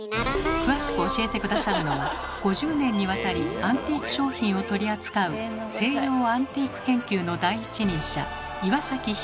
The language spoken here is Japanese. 詳しく教えて下さるのは５０年にわたりアンティーク商品を取り扱う西洋アンティーク研究の第一人者